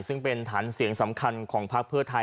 ซึ่งเป็นฐานเสียงสำคัญของพักเพื่อไทย